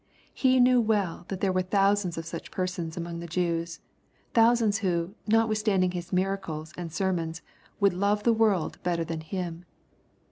He knew well that there were thousands of such persons among the Jews, — thousands who, notwithstanding His miracles and ser mons, would love the world better than Him.